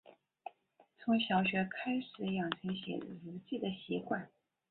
从小学开始养成写日记的习惯